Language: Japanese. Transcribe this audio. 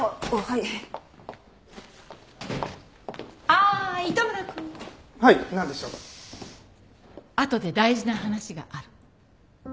あとで大事な話がある。